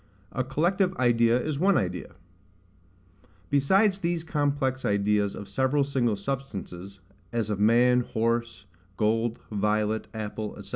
A collective idea is one Idea. Besides these complex ideas of several SINGLE substances, as of man, horse, gold, violet, apple, &c.